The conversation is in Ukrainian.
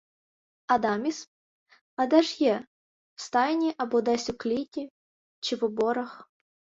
— Адаміс? А де ж є? В стайні або десь у кліті чи в оборах.